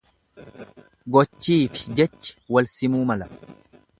Gochiifi jechi wal simuu mala.